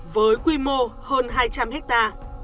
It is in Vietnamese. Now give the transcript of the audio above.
với quy mô hơn hai trăm linh ha